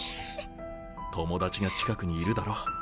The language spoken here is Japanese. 友達が近くにいるだろ？